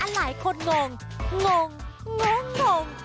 หลายคนงงงง